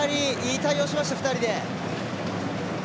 いい対応しました、２人で。